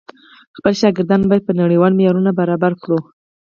خپل شاګردان بايد په نړيوالو معيارونو برابر کړو.